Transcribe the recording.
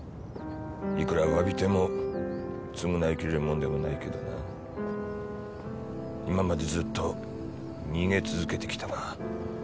いくら詫びても償いきれるもんでもないけどな今までずっと逃げ続けてきたが